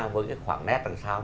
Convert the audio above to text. với cái khoảng nét đằng sau